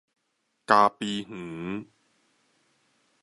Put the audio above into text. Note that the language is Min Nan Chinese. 咖啡園